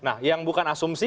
nah yang bukan asumsi